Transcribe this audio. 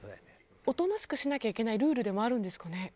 おとなしくしなきゃいけないルールでもあるんですかね？